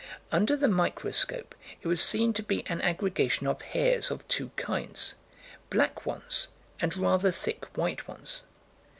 Under the microscope, it was seen to be an aggregation of hairs of two kinds, black ones and rather thick white ones.